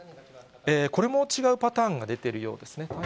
これも違うパターンが出ているようですね。